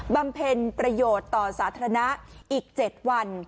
ำเพ็ญประโยชน์ต่อสาธารณะอีก๗วัน